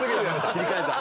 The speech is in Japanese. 切り替えた。